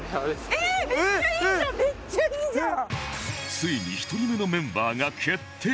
ついに１人目のメンバーが決定！